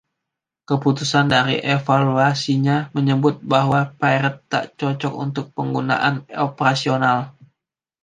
Keputusan dari evaluasinya menyebut bahwa Pirate tak cocok untuk penggunaan operasional.